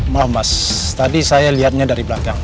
maaf mas tadi saya lihatnya dari belakang